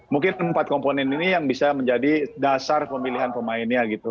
mungkin empat komponen ini yang bisa menjadi dasar pemilihan pemainnya gitu